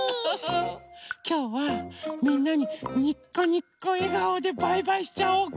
きょうはみんなににこにこえがおでバイバイしちゃおうか。